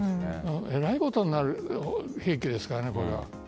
えらいことになる兵器ですから。